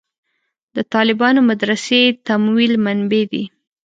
د طالبانو مدرسې تمویل منبعې دي.